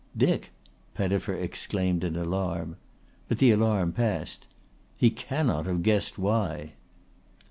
"Dick!" Pettifer exclaimed in alarm. But the alarm passed. "He cannot have guessed why."